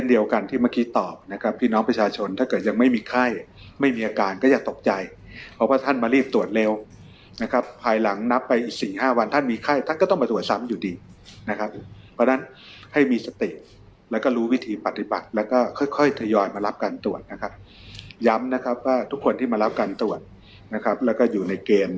เดียวกันที่เมื่อกี้ตอบนะครับพี่น้องประชาชนถ้าเกิดยังไม่มีไข้ไม่มีอาการก็อย่าตกใจเพราะว่าท่านมารีบตรวจเร็วนะครับภายหลังนับไปอีกสี่ห้าวันท่านมีไข้ท่านก็ต้องมาตรวจซ้ำอยู่ดีนะครับเพราะฉะนั้นให้มีสติแล้วก็รู้วิธีปฏิบัติแล้วก็ค่อยค่อยทยอยมารับการตรวจนะครับย้ำนะครับว่าทุกคนที่มารับการตรวจนะครับแล้วก็อยู่ในเกณฑ์